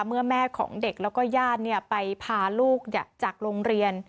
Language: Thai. เมื่อแม่ของเด็กแล้วก็ญาติไปพาลูกจากโรงเรียน